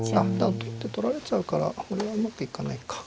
取って取られちゃうからこれはうまくいかないか。